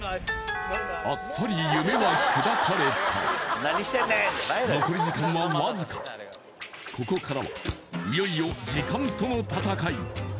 あっさり夢は砕かれた残り時間はわずかここからはいよいよ時間との戦い